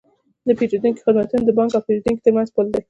د پیرودونکو خدمتونه د بانک او پیرودونکي ترمنځ پل دی۔